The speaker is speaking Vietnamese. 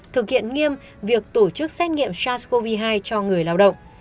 thực hiện nghiêm việc tổ chức xét nghiệm sars cov hai cho người lao động